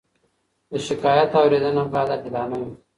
د شکایت اورېدنه باید عادلانه وي.